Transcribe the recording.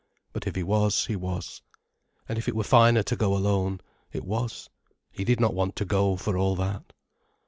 But if he was, he was. And if it were finer to go alone, it was: he did not want to go for all that.